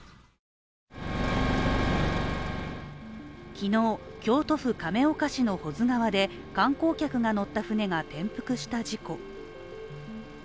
昨日、京都府亀岡市の保津川で観光客が乗った船が転覆した事故。